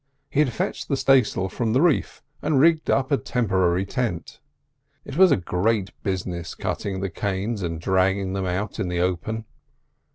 He had fetched the stay sail from the reef and rigged up a temporary tent. It was a great business cutting the canes and dragging them out in the open.